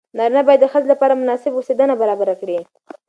نارینه باید د ښځې لپاره مناسب اوسېدنه برابره کړي.